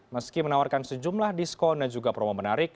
meski menawarkan sejumlah diskon dan juga promo menarik